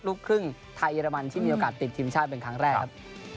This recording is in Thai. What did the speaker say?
ลูกครึ่งไทยเยอรมันที่มีโอกาสติดทีมชาติเป็นครั้งแรกครับ